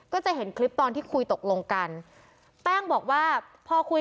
คุณพ่อคุณว่าไง